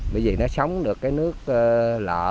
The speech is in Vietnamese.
bởi vì nó sống được cái nước lợ